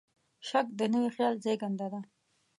شک د نوي خیال زېږنده دی.